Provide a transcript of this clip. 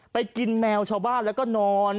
ไปกินแมวชาวบ้านแล้วก็นอน